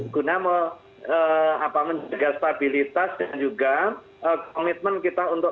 guna menjaga stabilitas dan juga komitmen kita untuk